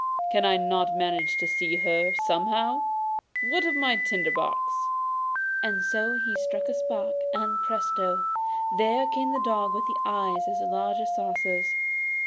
Can I not manage to see her somehow? Where is my tinder box?' and so he struck a spark, and, presto! there came the dog with eyes as large as saucers.